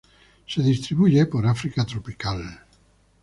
Se distribuye por África tropical.